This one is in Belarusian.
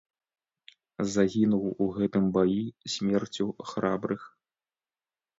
Загінуў у гэтым баі смерцю храбрых.